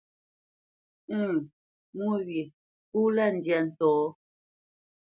Ə̂ŋ mwô wyê kó lâ ndyâ ntɔ̌.